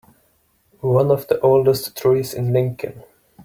One of the oldest trees in Lincoln.